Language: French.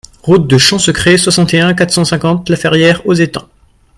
Route de Champsecret, soixante et un, quatre cent cinquante La Ferrière-aux-Étangs